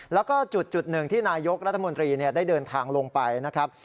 แล้วก็จุดหนึ่งที่นายกรัฐมนตรีได้เดินทางลงไปนะครับ